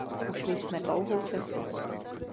Ušli jsme dlouhou cestu.